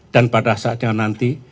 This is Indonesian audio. dan pada saatnya nanti